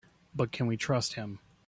But can we trust him?